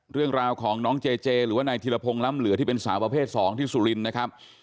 เรื่องราวของน้องเจเจหรือว่านายธิรพงศ์ล้ำเหลือที่เป็นสาวประเภท๒ที่สุรินทร์นะครับ